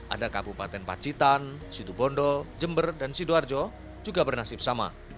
ada kabupaten pacitan situbondo jember dan sidoarjo juga bernasib sama